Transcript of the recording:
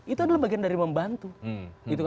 itu adalah bagian dari membantu